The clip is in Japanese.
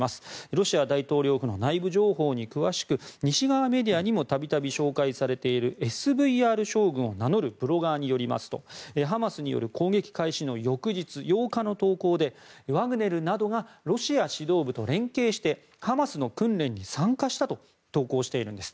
ロシア大統領府の内部情報に詳しく西側メディアにも度々紹介されているＳＶＲ将軍を名乗るブロガーによりますとハマスによる攻撃開始の翌日８日の投稿でワグネルなどがロシア指導部と連携してハマスの訓練に参加したと投稿しているんです。